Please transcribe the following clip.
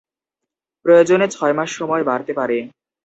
প্রয়োজনে ছয় মাস সময় বাড়তে পারে।